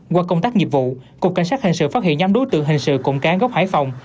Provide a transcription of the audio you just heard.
qua công tác nghiệp vụ cục cảnh sát hình sự phát hiện nhóm đối tượng hình sự cụm cán gốc hải phòng